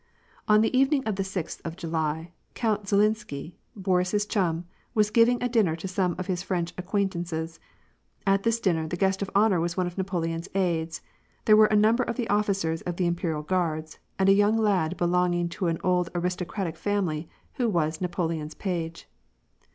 On the evening of the sixth of July, Count Zhilinsky, Boris's chum, was giving a dinner to some of his French acquaintances. At this dinner, the guest of honor was one of Napoleon's aides ; there were a number of the officers of the Imperial Guards, and a young lad belonging to an old aristocratic family, who was Napoleon's page.